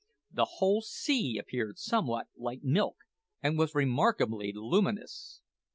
The whole sea appeared somewhat like milk, and was remarkably luminous.